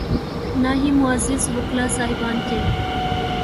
نہ ہی معزز وکلا صاحبان کے۔